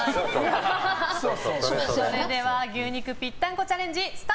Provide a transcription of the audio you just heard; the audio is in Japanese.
それでは牛肉ぴったんこチャレンジ